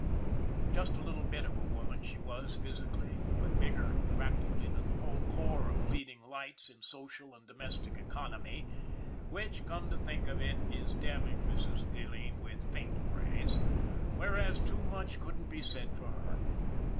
Just a little bit of a woman she was physically; but bigger practically than the whole corps of leading lights in social and domestic economy which, come to think of it, is damning Mrs. Gilleen with faint praise, whereas too much couldn't be said for her.